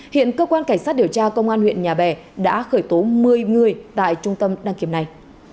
hiện cơ quan cảnh sát điều tra công an huyện nhà bè đã khởi tố một mươi người tại trung tâm đăng kiểm này